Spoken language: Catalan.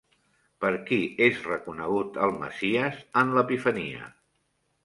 Per qui és reconegut el Messies en l'Epifania?